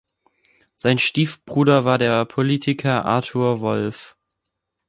Sein Stiefbruder war der Politiker Arthur Wolff.